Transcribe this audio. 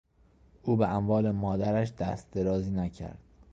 او به اموال مادرش دست درازی نکرد.